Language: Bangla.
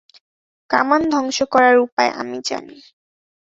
কামান ধ্বংস করার উপায় আমি জানি।